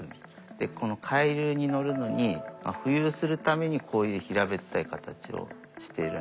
でこの海流に乗るのに浮遊するためにこういう平べったい形をしているんだと考えられてます。